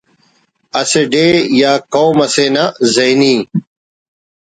اسہ ڈیہہ یا قوم اسے نا ذہنی